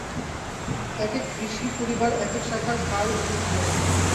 এক এক ঋষি-পরিবার এক এক শাখার ভার গ্রহণ করিয়াছিলেন।